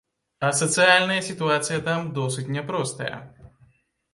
А сацыяльная сітуацыя там досыць няпростая.